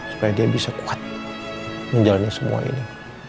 supaya dia bisa kuat menjalani semua ini